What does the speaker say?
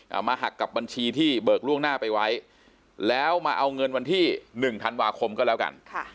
มาหักกับบัญชีที่เบิกล่วงหน้าไปไว้แล้วมาเอาเงินวันที่หนึ่งธันวาคมก็แล้วกันค่ะ